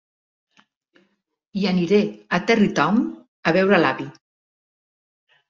I aniré a Tarrytown a veure l'avi.